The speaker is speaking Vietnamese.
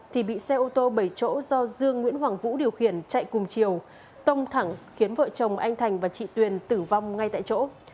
thì bị xe ô tô bảy chỗ do dương nguyễn hoàng vũ điều khiển chạy cùng chiều tông thẳng khiến vợ chồng anh thành và chị tuyền tử vong ngay tại chỗ